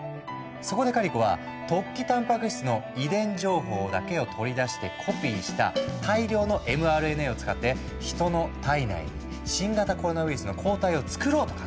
そこでカリコは突起たんぱく質の遺伝情報だけを取り出してコピーした大量のｍＲＮＡを使って人の体内に新型コロナウイルスの抗体をつくろうと考えた。